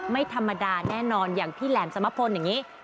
ไม่ธรรมดาแน่นอนอย่างพี่แหลมสมพลอย่างนี้